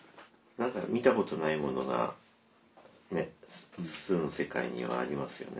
何か見たことないものがね「数」の世界にはありますよね。